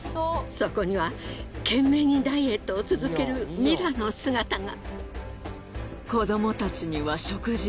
そこには懸命にダイエットを続けるミラの姿が。